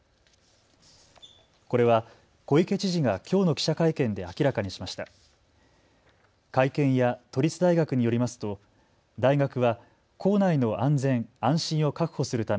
これは小池知事がきょうの記者会見で明らかにしました。